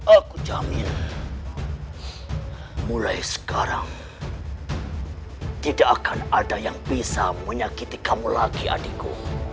aku jamin mulai sekarang tidak akan ada yang bisa menyakiti kamu lagi adikku